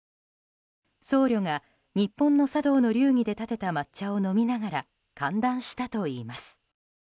僧侶が日本の茶道の流儀でたてた抹茶を飲みながら歓談したといいます。